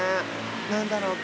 何だろうか。